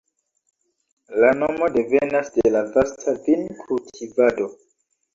La nomo devenas de la vasta vin-kultivado.